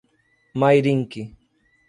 Mairinque